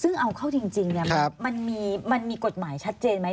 ซึ่งเอาเข้าจริงมันมีกฎหมายชัดเจนไหม